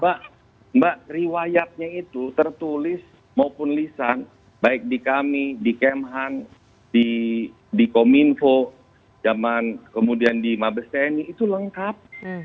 mbak mbak riwayatnya itu tertulis maupun lisan baik di kami di kemhan di kominfo zaman kemudian di mabes tni itu lengkap